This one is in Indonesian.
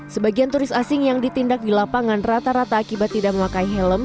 sebagian turis asing yang ditindak di lapangan rata rata akibat tidak memakai helm